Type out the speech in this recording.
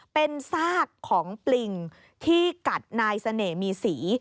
เป็นซากของปลิงที่กัดนายเสน่ห์มีสี